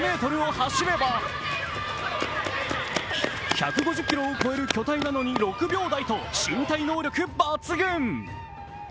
１５０ｋｇを超える巨体なのに６秒台と身体能力抜群！